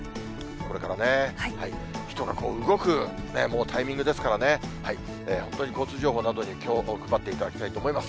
これから人が動くタイミングですからね、本当に交通情報などに気を配っていただきたいと思います。